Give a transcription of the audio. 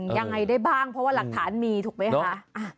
ยังไงได้บ้างเพราะว่าหลักฐานมีถูกไหมคะ